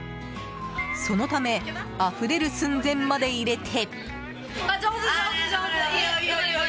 そのためあふれる寸前まで入れて。